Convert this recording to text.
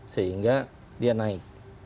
sehingga dia naik